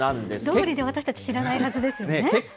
どおりで、私たち知らないはずですね。